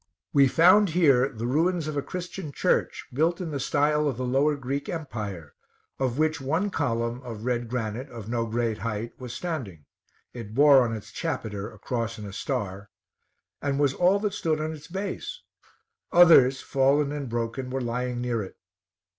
We found here the ruins of a Christian church, built in the style of the lower Greek empire, of which one column, of red granite, of no great height, was standing, (it bore on its chapiter a cross and a star,) and was all that stood on its base; others, fallen and broken, were lying near it.